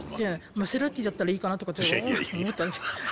マセラティだったらいいかなとかって思ったんです。